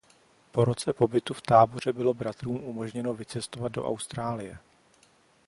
Po roce pobytu v táboře bylo bratrům umožněno vycestovat do Austrálie.